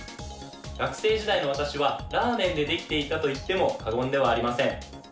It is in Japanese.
学生時代の私はラーメンでできていたと言っても過言ではありません。